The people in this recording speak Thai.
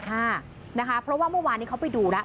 เพราะว่าเมื่อวานนี้เขาไปดูแล้ว